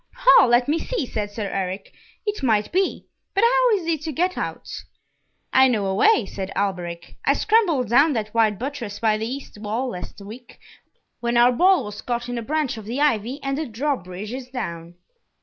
"Ha! let me see," said Sir Eric. "It might be. But how is he to get out?" "I know a way," said Alberic. "I scrambled down that wide buttress by the east wall last week, when our ball was caught in a branch of the ivy, and the drawbridge is down."